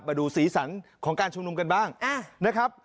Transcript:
มาดูสีสันของการชุมนุมกันบ้างนะครับ